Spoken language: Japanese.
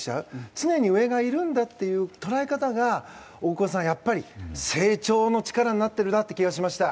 常に上がいるんだという捉え方が大越さん、成長の力になってるなって気がしました。